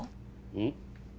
うん？